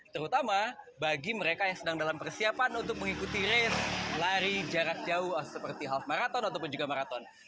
terutama bagi mereka yang sedang dalam persiapan untuk mengikuti race lari jarak jauh seperti half marathon ataupun juga marathon